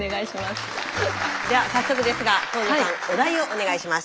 では早速ですが神野さんお題をお願いします。